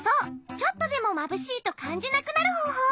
ちょっとでもまぶしいとかんじなくなるほうほう。